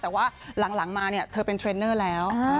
แต่ว่าหลังมาเนี่ยเธอเป็นเทรนเนอร์แล้ว